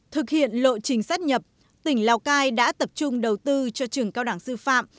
thực hiện lộ trình sát nhập tỉnh lào cai đã tập trung đầu tư cho trường cao đẳng sư phạm